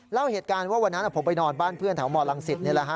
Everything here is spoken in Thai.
เล่าเหตุการณ์ว่าวันนั้นผมไปนอนบ้านเพื่อนแถวมลังศิษย์นี่แหละฮะ